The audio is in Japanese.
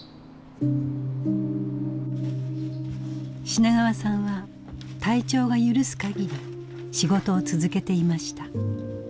品川さんは体調が許すかぎり仕事を続けていました。